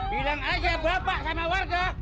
bilang aja bapak sama warga